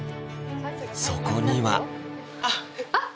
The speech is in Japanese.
そこにはあっ！